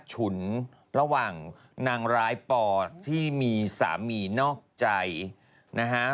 ฉุนระหว่างนางร้ายปอที่มีสามีนอกใจนะฮะ